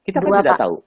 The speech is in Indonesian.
kita kan tidak tahu